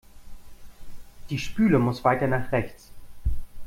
Die Spüle muss weiter nach rechts.